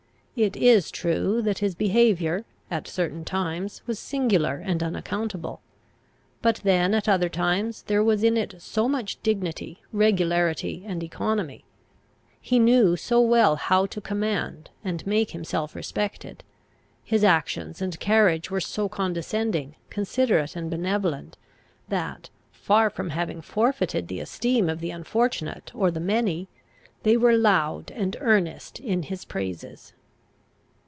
It is true that his behaviour, at certain times, was singular and unaccountable; but then, at other times, there was in it so much dignity, regularity, and economy; he knew so well how to command and make himself respected; his actions and carriage were so condescending, considerate, and benevolent, that, far from having forfeited the esteem of the unfortunate or the many, they were loud and earnest in his praises.